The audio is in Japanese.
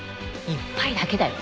１杯だけだよ。